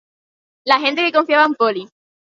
La gente que confiaba en Poly.